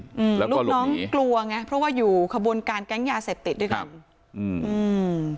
อืมลูกน้องกลัวไงเพราะว่าอยู่ขบวนการแก๊งยาเสพติดด้วยกันอืมอืม